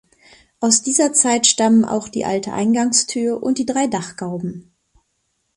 Aus dieser Zeit stammen auch die alte Eingangstür und die drei Dachgauben.